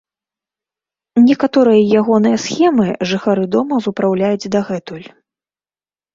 Некаторыя ягоныя схемы жыхары дома выпраўляюць дагэтуль.